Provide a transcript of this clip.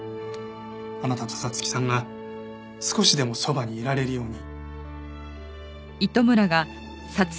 あなたと彩月さんが少しでもそばにいられるように。